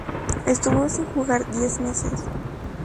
Estuvo sin jugar diez meses.